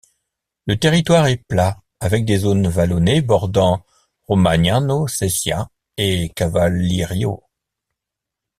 Le territoire est plat, avec des zones vallonnées bordant Romagnano Sesia et Cavallirio.